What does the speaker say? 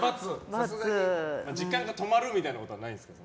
時間が止まるみたいなことはないんですか？